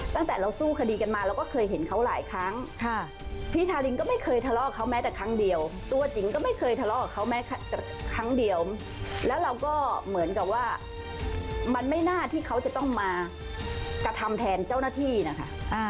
ตั้งแต่เราสู้คดีกันมาเราก็เคยเห็นเขาหลายครั้งพี่ทารินก็ไม่เคยทะเลาะเขาแม้แต่ครั้งเดียวตัวจิ๋งก็ไม่เคยทะเลาะกับเขาแม้แต่ครั้งเดียวแล้วเราก็เหมือนกับว่ามันไม่น่าที่เขาจะต้องมากระทำแทนเจ้าหน้าที่นะคะ